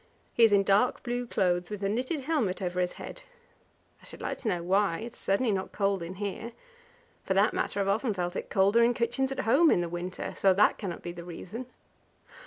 He is in dark blue clothes, with a knitted helmet over his head. I should like to know why; it is certainly not cold in here. For that matter, I have often felt it colder in kitchens at home in the winter, so that cannot be the reason.